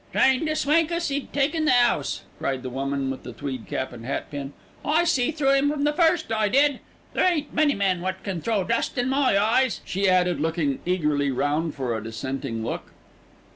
"Tryin' to swank us 'e'd taken the 'ouse," cried the woman with the tweed cap and hat pin. "I see through 'im from the first, I did. There ain't many men wot can throw dust in my eyes," she added, looking eagerly round for a dissenting look.